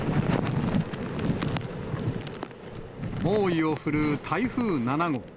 猛威を振るう台風７号。